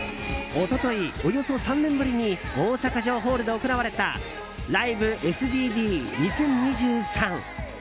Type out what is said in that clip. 一昨日、およそ３年ぶりに大阪城ホールで行われた「ＬＩＶＥＳＤＤ２０２３」。